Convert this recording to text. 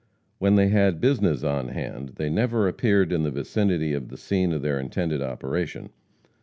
When they had "business" on hand, they never appeared in the vicinity of the scene of their intended operation.